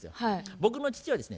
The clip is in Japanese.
僕の父はですね